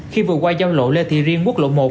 khi vừa qua giao lộ lê thị riêng quốc lộ một